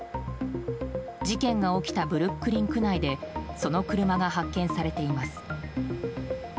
事件が起きたブルックリン区内でその車が発見されています。